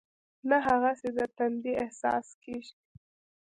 نه هغسې د تندې احساس کېږي.